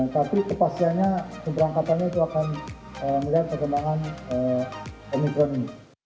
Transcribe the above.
tapi kepastiannya keberangkatannya itu akan melihat perkembangan omikron ini